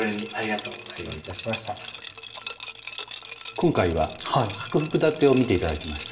今回は「各服点」を見て頂きました。